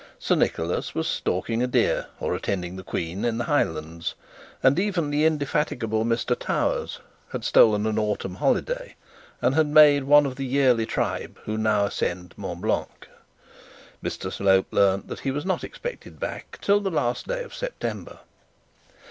Sir Nicholas was stalking a deer, or attending the Queen, in the Highlands; and even the indefatigable Mr Towers had stolen an autumn holiday, and had made one of the yearly tribe who now ascend Mont Blanc. Mr Slope learnt that he was not expected back till the last day of September.